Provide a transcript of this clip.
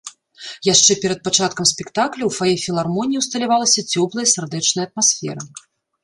Яшчэ перад пачаткам спектакля ў фае філармоніі ўсталявалася цёплая сардэчная атмасфера.